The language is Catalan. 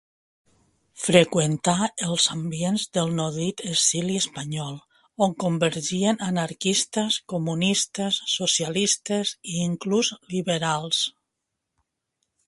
Freqüentà els ambients del nodrit exili espanyol, on convergien anarquistes, comunistes, socialistes i inclús liberals.